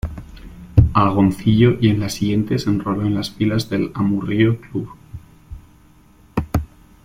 Agoncillo y en la siguiente se enroló en las filas del Amurrio Club.